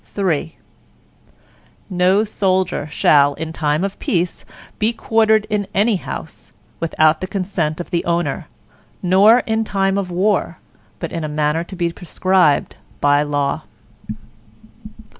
III No soldier shall, in time of peace be quartered in any house, without the consent of the owner, nor in time of war, but in a manner to be prescribed by law.